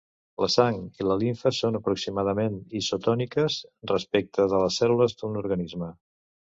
La sang i la limfa són aproximadament isotòniques respecte de les cèl·lules d'un organisme.